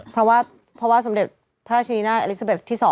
เพราะว่าสมเด็จพระราชนีนาฏอลิซาเบสที่๒